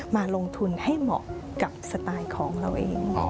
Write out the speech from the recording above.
มาลงทุนให้เหมาะกับสไตล์ของเราเอง